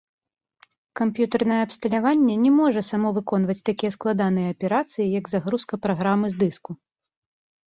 Камп'ютарнае абсталявання не можа само выконваць такія складаныя аперацыі, як загрузка праграмы з дыску.